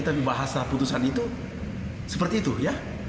tapi bahasa putusan itu seperti itu ya